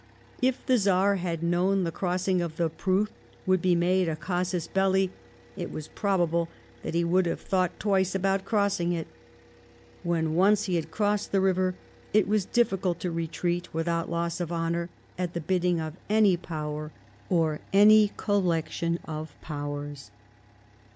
If the Czar had known the crossing of the Fruth would be made a casus belU, it was probably that he would have thought twice, about crossing it ; when once be had crossed the river, it was difficult to retreat without loss of honour at the bidding of any Fewer or any collection of Fowers.